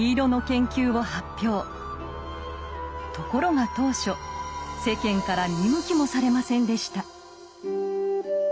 ところが当初世間から見向きもされませんでした。